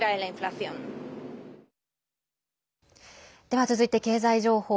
では続いて経済情報。